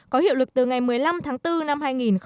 có hiệu lực từ ngày một tháng hai năm hai nghìn một mươi tám